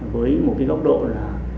với một cái góc độ là